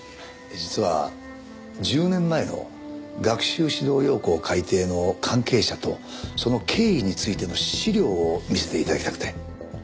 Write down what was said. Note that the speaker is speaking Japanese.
実は１０年前の学習指導要領改訂の関係者とその経緯についての資料を見せて頂きたくて。